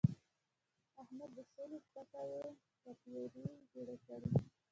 احمد د شولو پټیو تپیاري جوړې کړې.